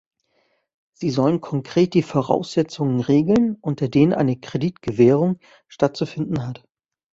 Sie sollen konkret die Voraussetzungen regeln, unter denen eine Kreditgewährung stattzufinden hat.